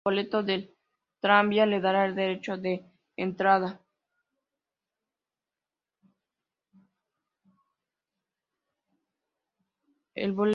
El boleto del tranvía le dará el derecho de entrada.".